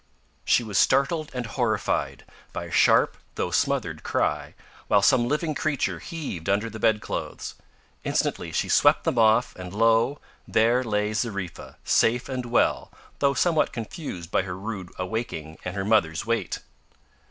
She was startled and horrified by a sharp, though smothered cry, while some living creature heaved under the bed clothes. Instantly she swept them off, and lo! there lay Zariffa safe and well, though somewhat confused by her rude awaking and her mother's weight.